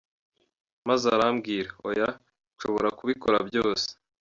Maze arambwira, Oya, nshobora kubikora byose.